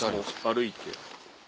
歩いて。